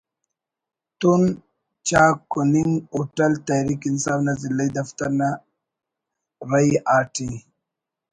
تون چا کنگن ہوٹل تحریک انصاف نا ضلعی دفتر نا رہ آ ٹے